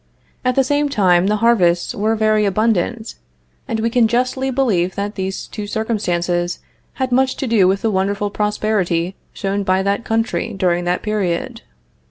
At the same time the harvests were very abundant, and we can justly believe that these two circumstances had much to do with the wonderful prosperity shown by that country during that period.